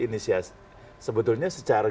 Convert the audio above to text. inisiasi sebetulnya secara